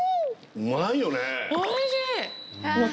うまいよね？